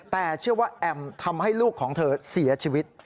แต่เชื่อว่าแอมทำให้ลูกของเธอเสียชีวิต